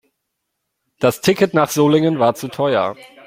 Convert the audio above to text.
Das Ticket nach Solingen war zu teuer